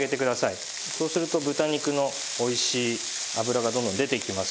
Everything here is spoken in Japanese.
そうすると豚肉のおいしい脂がどんどん出てきます。